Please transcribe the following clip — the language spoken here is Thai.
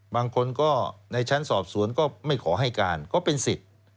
บางคนก็ในชั้นสอบสวนก็ไม่ขอให้การก็เป็นสิทธิ์